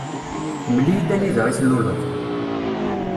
Mel-iyi-d anida i tluleḍ.